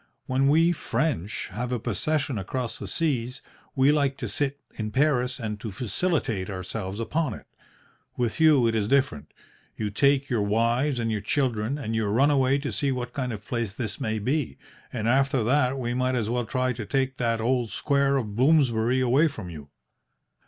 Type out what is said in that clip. When we French have a possession across the seas, we like to sit in Paris and to felicitate ourselves upon it. With you it is different. You take your wives and your children, and you run away to see what kind of place this may be, and after that we might as well try to take that old Square of Bloomsbury away from you.